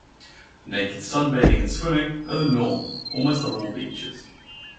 Naked sun bathing and swimming are the norm almost on all beaches.